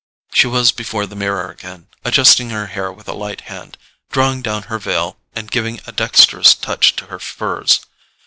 She was before the mirror again, adjusting her hair with a light hand, drawing down her veil, and giving a dexterous touch to her furs.